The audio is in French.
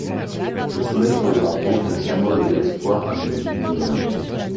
Le soleil sur le drapeau est le symbole de l'espoir en une vie meilleure.